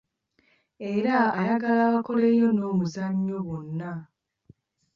Era ayagala bakoleyo n'omuzannyo bonna.